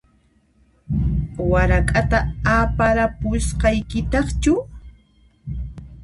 Warak'ata awarapusqaykitaqchu?